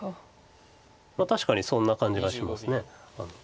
確かにそんな感じがします。